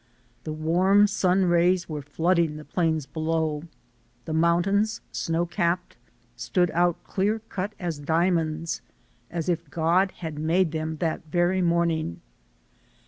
The warm sun rays were flooding the plains below. The mountains, snow capped, stood out clear cut as diamonds, as if God had made them that very morning.